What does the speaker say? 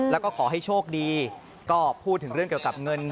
แล้วก็ขอให้โชคดีก็พูดถึงเรื่องเกี่ยวกับเงิน